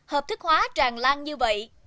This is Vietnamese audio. hợp thức hóa tràn lan như vậy